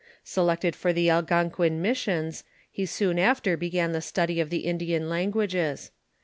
Selected for the Algonquin missions, he soon after began the study of the Indian languages.